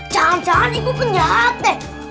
jangan jangan itu kejahat deh